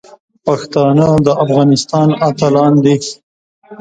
پښتانه د افغانستان اتلان دي.